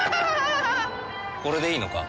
これでいいのか？